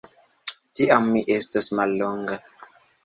Tiam mi estos mallonga.